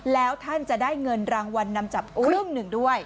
แล้วท่านจะได้เงินรางวัลนำจับครึ่งหนึ่งด้วย